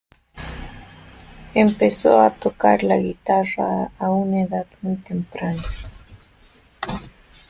Empezó a tocar la guitarra a una edad muy temprana.